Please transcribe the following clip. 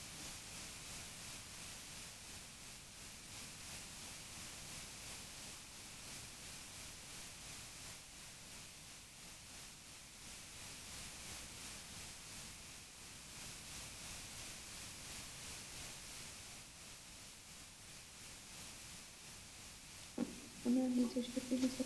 উনার নিজস্ব TV channel আছে।